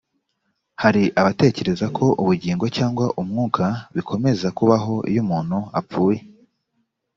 hari abatekereza ko ubugingo cyangwa umwuka bikomeza kubaho iyo umuntu apfuye